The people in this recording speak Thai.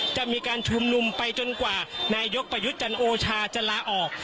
จะมีการชุมนุมไปจนกว่านายกประยุทธ์จันโอชาจะลาออก